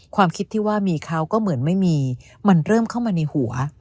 ความคิดที่ว่ามีเขาก็เหมือนไม่มีมันเริ่มเข้ามาในหัว